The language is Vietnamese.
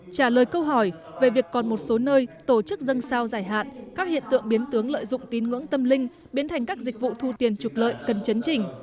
trả lời câu hỏi về việc còn một số nơi tổ chức dân sao giải hạn các hiện tượng biến tướng lợi dụng tín ngưỡng tâm linh biến thành các dịch vụ thu tiền trục lợi cần chấn trình